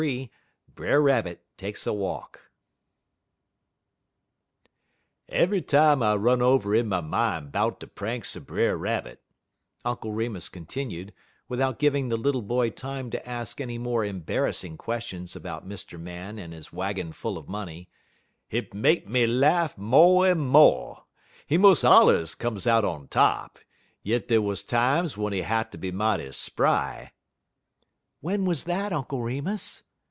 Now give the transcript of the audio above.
LIII BRER RABBIT TAKES A WALK "Eve'y time I run over in my min' 'bout the pranks er Brer Rabbit," Uncle Remus continued, without giving the little boy time to ask any more embarrassing questions about Mr. Man and his wagon full of money, "hit make me laugh mo' en mo'. He mos' allers come out on top, yit dey wuz times w'en he hatter be mighty spry." "When was that, Uncle Remus?"